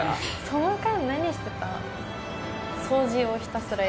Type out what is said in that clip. その間何してた？